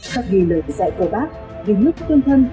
các ghi lời dạy của bác ghi nhúc tương thân